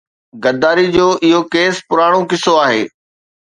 غداري جو اهو ڪيس پراڻو قصو آهي.